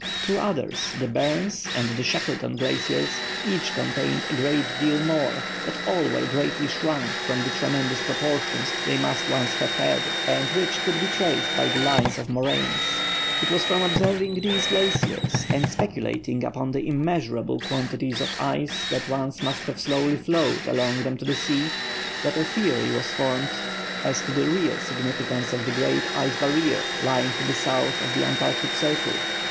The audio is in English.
Two others, the Barnes and the Shackleton Glaciers, each contained a great deal more; but all were greatly shrunk from the tremendous proportions they must once have had, and which could be traced by the lines of moraines. It was from observing these glaciers and speculating upon the immeasurable quantity of ice that once must have slowly flowed along them to the sea, that a theory was formed as to the real significance of the great ice barrier lying to the south of the Antarctic Circle.